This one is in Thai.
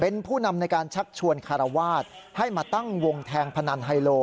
ในการชักชวนคาราวาสให้มาตั้งวงแทงพนันไฮโล